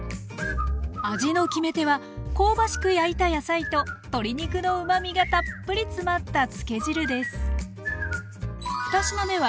味の決め手は香ばしく焼いた野菜と鶏肉のうまみがたっぷり詰まったつけ汁です。